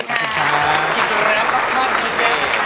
ขอบคุณครับ